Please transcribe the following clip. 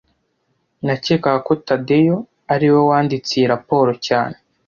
Nakekaga ko Tadeyo ari we wanditse iyi raporo cyane